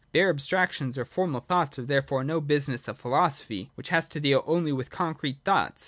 Bare abstractions or formal thoughts are therefore no business of philosophy, which has to deal only with concrete thoughts.